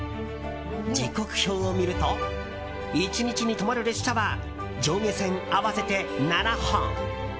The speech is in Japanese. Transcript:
時刻表を見ると１日に止まる列車は上下線合わせて７本。